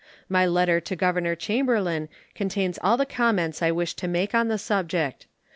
My letter to Governor Chamberlain contains all the comments I wish to make on the subject.